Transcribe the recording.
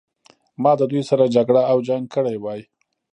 ما د دوی سره جګړه او جنګ کړی وای.